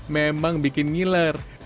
memang bikin ngiler